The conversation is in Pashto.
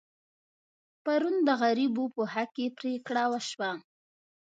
پرون د غریبو په حق کې پرېکړه وشوه.